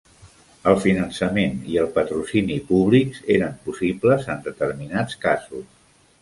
El finançament i el patrocini públics eren possibles en determinats casos.